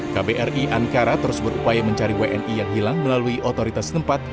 kbri ankara terus berupaya mencari wni yang hilang melalui otoritas tempat